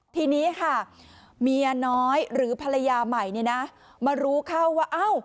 ทีนี้ค่ะเมียน้อยหรือภรรยาใหม่มารู้เข้าว่า